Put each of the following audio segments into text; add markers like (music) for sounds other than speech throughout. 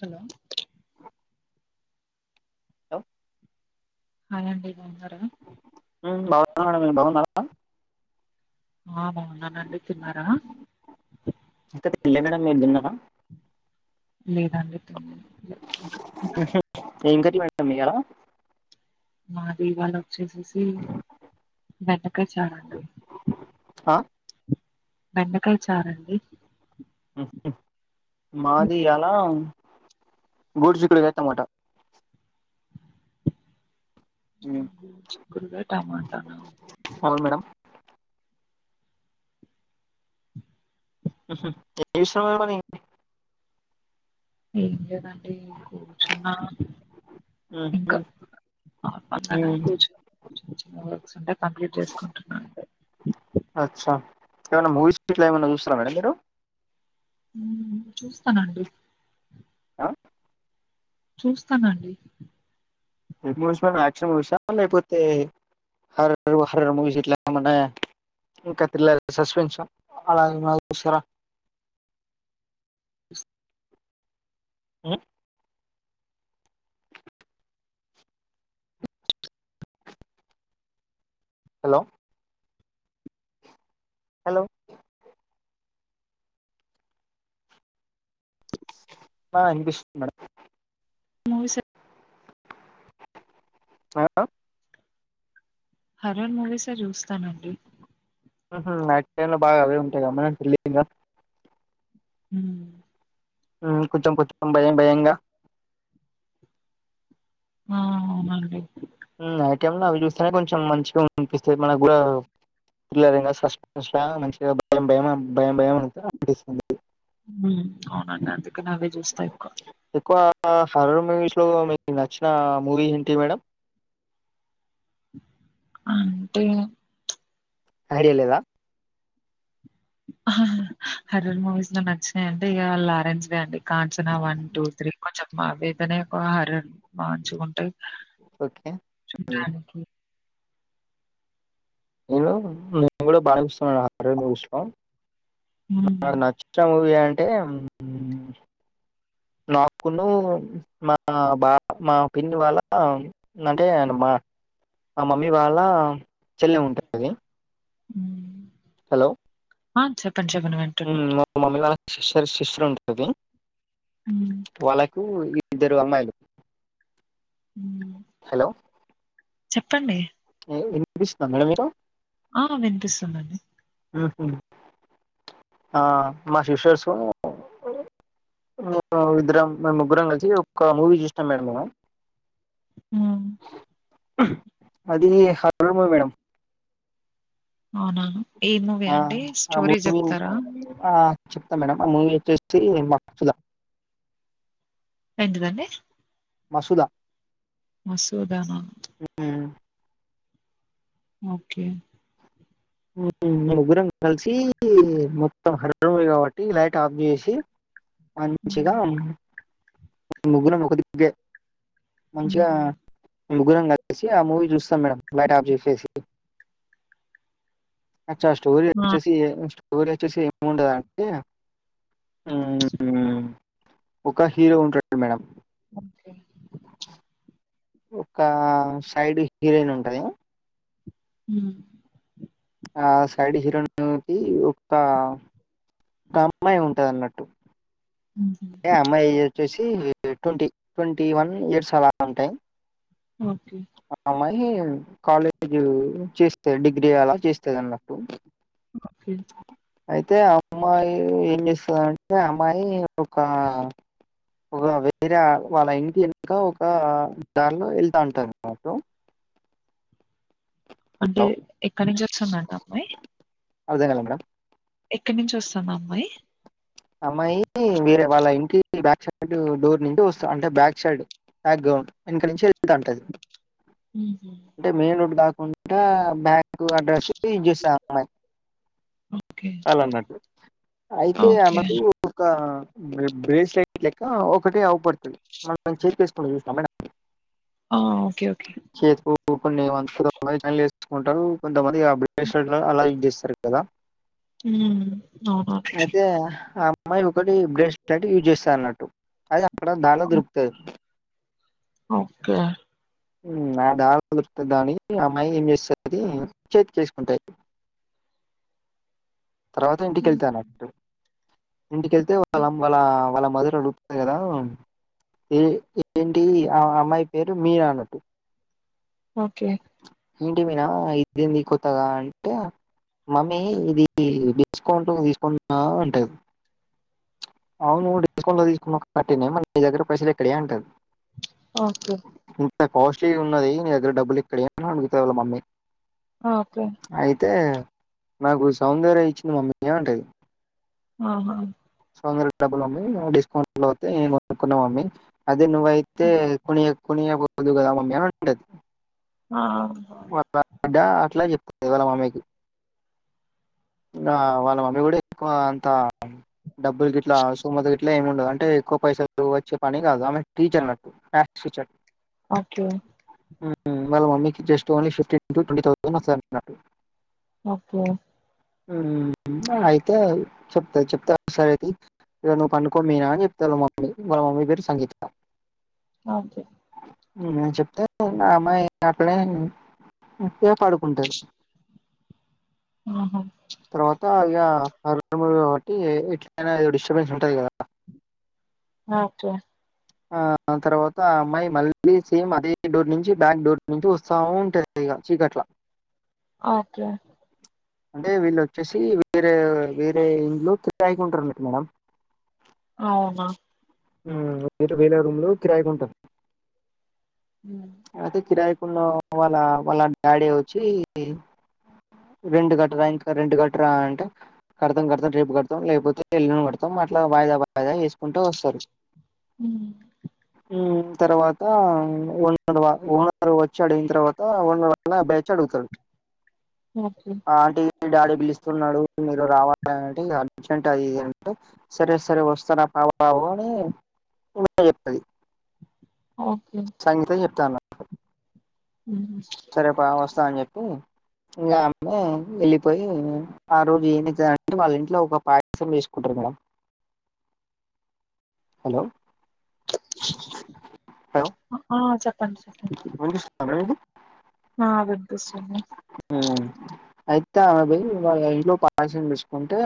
Hello లో hi అండి తిన్నారా ఆ ఆ బాగున్నాన్ అండి తిన్నారా అయితే తినలే మేడం మీరు తిన్నారా లేదండి తినలే ఏం కర్రీ వండినమయ్య మాదివాళ వచ్చేసేసి బెండకాయ చారు అండి ఆ బెండకాయ చారండి మాది ఎలా గోరుచిక్కుడుకాయటమాట గోరుచిక్కుడుకాయ టమాట అవును మేడం హుమ్ ఏం చేస్తున్నారు మరి ఏం లేదండి కూర్చున్నా ఇంకా ఉహుం, ఉమ్, (unintelligible) (unintelligible) చేసుకుంటున్నాండి అచ్చ ఏమన్న మూవీస్ గిట్ల ఏమన్న చూసినార అండి మీరు చూస్తనండి ఆ చూస్తానండి ఏ మూవీస్ అండి యాక్షన్ మూవీస్ లేకపోతే హార్రర్ (unintelligible) మూవీస్ ఇట్లా ఏమన్నా ఇంకా త్రిల్లర్ సస్పెన్షన్స్ అలాంటివి చూసారా ఉ హలో హలో ఆవినిపిస్తుంది మేడం మూవీస్ ఆ హర్రర్ మూవీసే చూస్తానండి అ టై లో బాగా అవే ఉంటాయి కమ్మా తెలిం (unintelligible) హ కొంచెం కొంచెం భయం భయంగా ఆ అండి అకేమన్నా అవి చూస్తేనే కొంచెం మంచిగా అనిపిస్తుంది మనకు కూడా త్రిల్లర్ సస్పెన్స్ మంచిగా భయం భయం భయం భయం అ అనిపిస్తుంది అవునండి అందుకే అవే చూస్తా ఎక్కువ ఎక్కువ హర మూవీస్లో మీకు నచ్చిన మూవీ ఏంటి మేడం అంటే ఐడియా లేదా హా హా హరర్ మూవీస్ లో నచ్చినాయింటే ఇక లరెంసె దే అండి కాంచనా వన్ టూ త్రీ కొంచెం అవి అయితేనే హారర్ మంచిగా ఉంటాయి ఓకే హ్మ్మ్ ఇబుడు బారి షా మురారి ఇష్టం నాకు హ్మ్. నచ్చిన మూవి అ అంటే హుమ్మ్ నాకును మా బా మా పిని వాళ్ళ అంటే మా ఆ మమ్మీ వాళ్ళ చెల్లె ఉంటుది హుమ్ హలో ఆ చెప్పండి చెప్పండి వింటున్నా శిష్యర్ శిష్యర్ఉంటుది హ్మ్. వాళ్ళకి కు ఇద్దరు అమ్మాయిలు ఉ హలో చెప్పండి వినిపిస్తా మేడ మీరు ఆ వినిపిస్తుందండి మా సిస్టర్స్ మేము ఇద్దరం మేము ముగ్గురం కలిసి ఒక్క మూవీ చూసినాం మేడం మేము హ్మ్. హ్మ్ అది హారర్ మూవీ మేడం అవునుఆవును ఆ అ మూవీ ఆ చెప్తాం మేడంమ్ ఆ మూవీ వచ్చేసే మా చూదా ఎంటిదండి మసూదా మసూదనా ఓకే ఉ ముగ్గురం కలిసి మొత్తం హారర్ మూవీ కాబట్టి లైట్ ఆఫ్ చేసి మంచిగా హ్మ్. ముగ్గురం ఒక దికకే మంచిగా హుహు. ముగ్గురం కలిసి ఆ మూవీ చూస్తాం మేడం లైట్ ఆఫ్ చెసేసి అచ్చా స్టోరీ ఆ! వచ్చేసి ఏ స్టోరీ వచ్చేసి ఏమి ఉండదా అంటే హ్మ్మ్ హ్మ్ ఒక హీరో ఉంటాడు మేడం ఓకే ఒక సైడ్ హీరోయిన్ ఉంటది హ్మ్మ్ ఆ సైడ్ హీరోయిన్ కి ఒక ఒక అమ్మాయి ఉంటది అన్నట్టు హుహు. అ అమ్మాయి ఏజ్ వచ్చేసి ట్వంటీ ట్వంటీ వన్ ఇయర్స్ అలా ఉంటాయి ఓకే కి కాలేజ్ చేస్తేది డిగ్రీ అలా చేస్తాది అన్నట్టు ఓకే అయితే అమ్మాయి ఏం చేస్తుందంటే అమ్మాయి ఒక ఒక వేరే వాళ్ళ ఇంటి వెనుక ఒక దారిలో వెళ్తా ఉంటారు అమాట అంటే ఎక్కడి నుంచి వస్తుందండి అమ్మాయి అదే గదా మేడం ఎక్కడి నుంచి వస్తాంది అమ్మాయి అమ్మాయి వేరే వాళ్ళ ఇంటికి బ్యాక్ సైడ్ డోర్ నుంచి వస్త అంటే బ్యాక్ సైడ్ బ్యాక్ గ్రౌండ్ ఇ నుంచి అంట హుహు. అంటే మెయిన్ రోడ్ కాకుండా బ్యాక్ ఇంకో అడ్రస్ చూసా అమ్మాయి ఓకే. అలాన్నట్టు అయితే ఓకే. ఆమెకు ఒక బ్రేస్లైట్ లెక్క ఒకటి అవ్ పడుతుంది మనం చెక్ చేసుకొని చూస్తాం ఆ ఓకే ఓకే కొన్ని చేసుకుంటారు కొంతమంది డిప్రెషన్ అలా ఇల చేస్తారు కదా హు అయితే ఆ అమ్మాయి ఒకటి బ్రెస్ట్ యూజ్ చేస్తారు అన్నట్టు అదే అక్కడ దారిలో హ్మ్. దొరుకుతాది ఓకే నా దాని ఆ అమ్మాయి ఏం చేస్తుంది చేతి చేసుకుంటాయి తర్వాత హ్మ్. ఇంటికెళ్తానట్టు ఇంటికెళ్తే వాళ్ళ వాళ్ళ వాళ్ళం మధులో లుడుపుతాయి కదా ఏ ఏంటి ఆ అమ్మాయి పేరు మీరా అన్నట్టు ఓకే ఏంటిమీనా ఇదేంది కొత్తగా అంటే మమ్మీ ఇది డిస్కౌంట్ తీసుకున్నా అంటది అవును డిస్కౌంట్ లో తీసుకున్న కట్టి మరి ని దగ్గర పైసలు ఎక్కడి వే అంటది ఓకేే కాస్ట్లీ ఉన్నది నీదగ్గర డబ్బులు ఇక్కడ వే అని అడుగుతది వాళ్ళ మమ్మీ ఆ, ఓకే. అయితే నాకు సౌందర్య ఇచ్చింది మమ్మీ అంటది ఆహా వందరూపాయలు డబ్బులు మమ్మి డిస్కౌంట్ లో వస్తే కొనుకున్నాం అది అది నువ్వు వైతే హ్మ్. కొని కొనియాకపోతివికదా మమ్మి అంటది ఆ అడ్డ అట్లా చెప్తుంది వాళ్ళ మామ్మికి ఆ వాళ్ళ మమ్మీ కూడా ఎక్కువ అంత డబ్బులు గిట్లా సుమత గిట్లా ఏమి ఉండదు అంటే ఎక్కువ పైసలు వచ్చే పని కాదు ఆమె టీచర్ అన్నట్టు సు చట్ ఓకే. వాళ్ళ మమ్మీకి just only fifteen to twenty thousand వస్తడంట అన్నాడు ఓకే ఊ ఆ అయితే చెప్త చెప్తా సరే తీ ఇక నువ్వు పనుకో మీనా అని చెప్తాదివాళ్ళ మమ్మి ఆమె పేరు సంగీత ఓకే నేను చెప్తే మా అమ్మాయి అట్లే బుద్దిగ పడుకుంటది ఆహా తర్వాత ఇక (inaudible) కాబట్టి ఎట్లయినా డిస్టర్బెన్స్ ఉంటది కదా ఓకే ఆ తర్వాత అమ్మాయి మళ్ళీ సేమ్ అదే డోర్ నుంచి బ్యాక్ డోర్ నుంచి వస్తా ఉంటది ఇగ చికట్ల ఓకే అంటే వీళ్ళు వచ్చేసి వేరే వేరే ఇంట్లో కిరాయికుంటరు అన్నట్టు మేడమ్ అవునా ఉమ్ వే వేరే రూమ్లో కిరాయికుంటరు హ్మ్. అయితే కిరాయికున్న వాళ్ళ వాళ్ళ డాడీ వచ్చి రెంట్ కట్టరా ఇంకా రెంట్ కట్టరా అంటే కడతాం కడతాం రేపు కడతాం లేకపోతే ఎల్లుండి కడతాం అట్లా వాయిదా వాయిదా వేసుకుంటూ వస్తరు ఉ తర్వాత ఓనర్ వచ్చి అడిగిన తర్వాత ఓనర్ వాళ్ళ అబ్బాయి వచ్చి అడుగుతడు ఓకే డాడీ పిలుస్తున్నడు మీరు రావాలంటే అర్జెంట్ అది ఇది అంటే సరే సరే వస్తున్న అని ఈమె చెప్తది ఓకే. సంగీత చెప్తది అన్నట్టు హ్మ్. సరే పా వస్తా అని చెప్పి ఇంగ అమె వెళ్ళిపోయి ఆ రోజు ఏం చేస్తారంటే వాళ్ళ ఇంట్లో ఒక పాయసం చేసుకుంటరు అ హలో హలో ఆ చెప్ వినిపిస్తుందా మేడం మీకు? ఆ వినిపిస్తుంది అంతా పోయి వాళ్ళ ఇంట్లో పాయసం చేసుకుంటే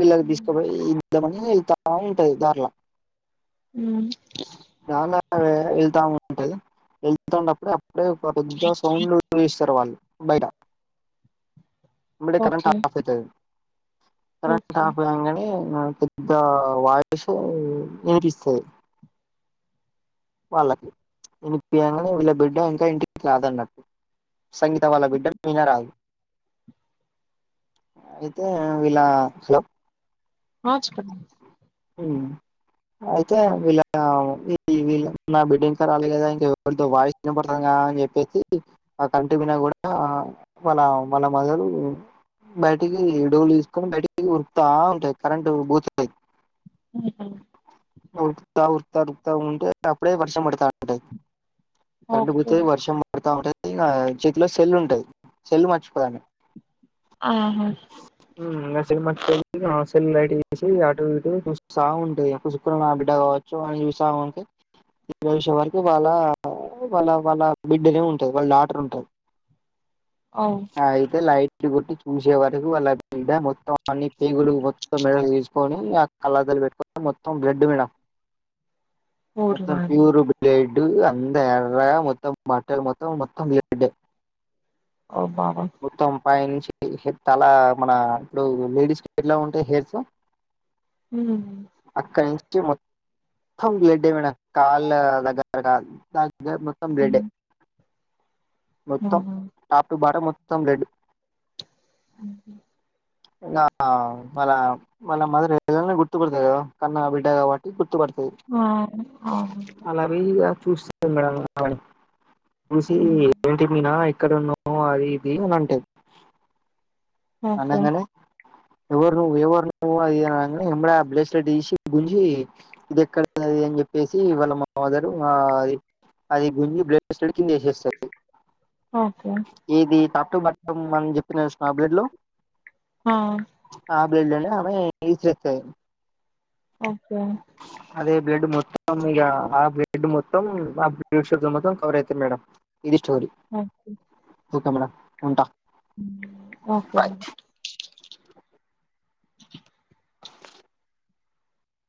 వీళ్ళకి హ్మ్. తీసుకపోయి ఇద్దామని వెళ్తా ఉంటది దారిల అ గాన వెళ్తా ఉంటది వెళ్తుంన్నప్పుడే అప్పుడే ఒక పెద్ద సౌండ్లు చేస్తరు వాళ్ళు బయట ఆ బయట కరంట్ ఓకే. ఆఫ్ అయితది కరెంట్ ఓకే. ఆఫ్ కాంగనే పెద్ద వాయిసు వినిపిస్తది వాళ్ళకు వినిపియ్యంగనే వాళ్ళ బిడ్డ ఇంకా ఇంటికి రాదన్నట్టు సంగీత వాళ్ళ బిడ్డ అయినా రాదు అయితే వీళ్లా హలో ఆ చెప్పండి ఆ అయితే వీళ్ళ వీళ్ళ నా బిడ్డింకా రాలే కదా ఇంకా ఎవరిదో వాయిస్ వినపడుతాంది గా అని చెప్పేసి ఆ ఇంటి మీద కూడా వాళ్ళ వాళ్ళ (unintelligible) బయటికీ డోర్లు తీసుకొని బయటకి ఉరుకుతా ఉంటది కరెంటు పోతది ఆ ఉరుకుతా ఉరుకుతా ఉరుకుతా ఉంటే అప్పుడే వర్షం పడతాంటది కరంటు ఓకే పోతది వర్షం పడతాంటది ఇంగ చేతిలో సెల్లు ఉంటది సెల్లు మర్చిపోదామే ఆహా సెల్ మర్చిపోదు ఇగ సెల్లు లైట్ చేసి అటు ఇటు చూస్తా ఉంటాది ఇగ పూసుకున్న నా బిడ్డ కావచ్చు అని చూస్తా ఉంటే చూసే వరకు వాళ్ళ ఆ వాళ్ళ వాళ్ళ బిడ్డనే ఉంటది వాళ్ళ డాటర్ ఉంటది ఓ ఆ అయితే లైట్ టు కొట్టి చూసే వరకు వాళ్ళ బిడ్డ మొత్తం అన్ని పేగులు మొత్తం మెడలో ఏసు ఎసుకొని ఆ కళ్ళ అద్దాలు పెట్టుకొని మొత్తం బ్లడ్ మేడ మొత్తం ఊర్లోనా ప్యూర్ బ్లడ్ డు అంత ఎర్ర గా మొత్తం బట్టలు మొత్తం మొత్తం బ్లడ్ డే ఓ బాబా మొత్తం పైనుంచి తల మన ఇప్పుడు లేడీస్ కి ఎట్లా ఉంటాయి హెయిర్ స్ అవునా అక్కడి నుంచి మొత్తం బ్లడ్ డే మేడం కాళ్ళ దగ్గర (unintelligible) మొత్తం బ్లడ్ డే మొత్తం టాప్ టూ బాటం మొత్తం రెడ్ (unintelligible) ఇంగ వల్ల వల్ల మదర్ ఎలా అయినా గుర్తుపడ్తది కదా కన్నా బిడ్డ కాబట్టి గుర్తుపడుత పు ఆ అవును అలాగే ఇగ చూస్తది మేడం ఆమెని చూసి ఏంటి మీనా ఇక్కడ ఉన్నావ్ అది ఇది ఇమాను ఉంటాది ఓకే అనంగనే ఎవరు నువ్వు ఎవరు నువ్వు అది ఇది అనంగనే ఎమ్మటే ఆ బ్లేస్ లైట్ తీసి గుంజి ఇది ఎక్కడిది అది ఇది అని చెప్పేసి వాళ్ళ మదర్ అది అది గుంజి బ్లేస్ లైట్ కింద వేసేస్తది ఓకే ఇది తట్టుబట్ట మనం చెప్పిన చూ ఆ బ్లడ్ లో ఆ ఆ బ్లడ్ లేనే ఆమె విసిరేస్తది ఓకే అదే బ్లడ్ మొత్తం ఇగ ఆ బ్లడ్ మొత్తం (unintelligible) షుగర్ మొత్తం కవర్ అవుతది మేడం ఇది స్టోరీ ఓకే మేడం ఉంటా హు ఓకే మరి